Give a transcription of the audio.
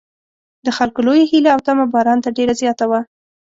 د خلکو لویه هیله او تمه باران ته ډېره زیاته وه.